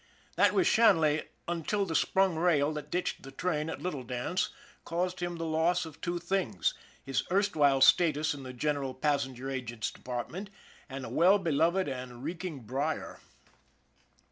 That was Shanley until the sprung rail that ditched the train at Little Dance caused him the loss of two things his erstwhile status in the general passenger agent's department, and a well beloved and reeking brier.